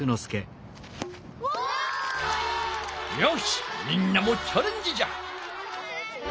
よしみんなもチャレンジじゃ。